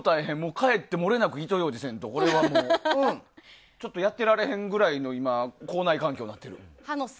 帰ってもれなく糸ようじせんとちょっとやってられへんくらいの口内環境になっとる。